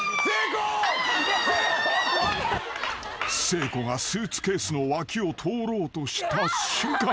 ［誠子がスーツケースの脇を通ろうとした瞬間］